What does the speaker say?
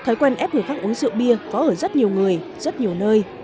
thói quen ép người khác uống rượu bia có ở rất nhiều người rất nhiều nơi